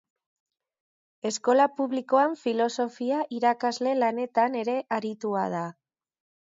Eskola publikoan filosofia irakasle lanetan ere aritua da.